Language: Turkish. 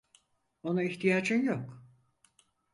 Ona ihtiyacın yok.